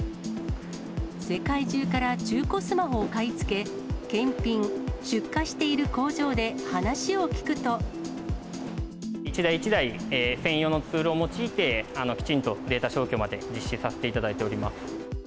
世界中から中古スマホを買い付け、検品、一台一台、専用のツールを用いて、きちんとデータ消去まで実施させていただいております。